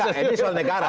ya enggak ini soal negara